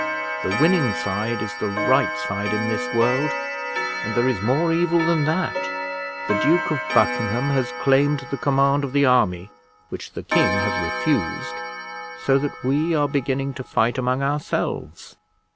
The winning side is the right side in this world; and there is more evil than that; the Duke of Buckingham has claimed the command of the army, which the king has refused, so that we are beginning to fight among ourselves.